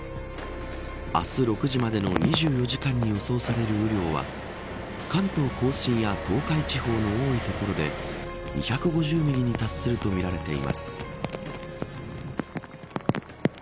明日６時までの２４時間に予想される雨量は関東甲信や東海地方の多い所で２５０ミリに達するとみられています。